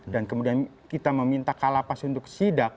dan kemudian kita meminta kalapas untuk sidak